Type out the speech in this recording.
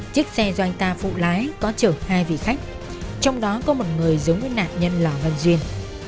chiếc xe do anh ta phụ lái có chở hai vị khách trong đó có một người giống với nạn nhân lò văn duyên